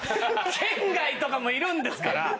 県外とかもいるんですから。